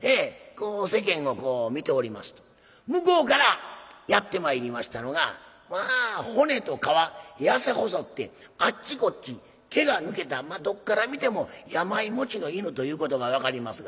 こう世間をこう見ておりますと向こうからやって参りましたのがまあ骨と皮痩せ細ってあっちこっち毛が抜けたどっから見ても病持ちの犬ということが分かりますが。